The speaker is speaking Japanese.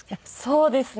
そうですね。